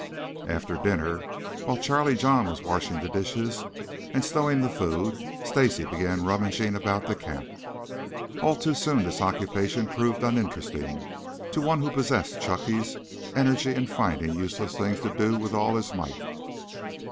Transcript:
After dinner, while Charlie John was washing the dishes and stowing the food, Stacy began rummaging about the camp. All too soon this occupation proved uninteresting to one who possessed Chunky's energy in finding useless things to do with all his might.